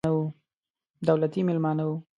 دولتي مېلمانه وو.